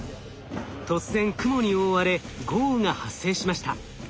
突然雲に覆われ豪雨が発生しました。